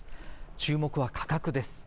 注目は価格です。